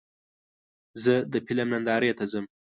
زه د فلم نندارې ته ځم.